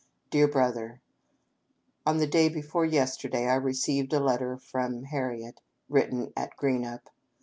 Dear Brother :" On the day before yesterday I received a letter from Har riett, written at Greenup.